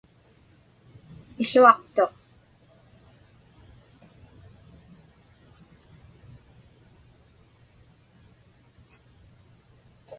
Iłuaqtuq.